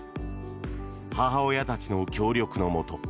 母親たちの協力のもと